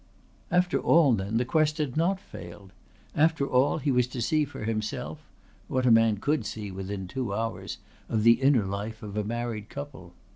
After all then the quest had not failed. After all he was to see for himself what a man could see within two hours, of the inner life of a married couple.